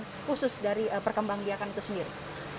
ada perbedaan khusus dari perkembang biakan itu sendiri